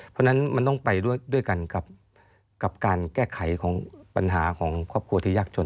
เพราะฉะนั้นมันต้องไปด้วยกันกับการแก้ไขของปัญหาของครอบครัวที่ยากจน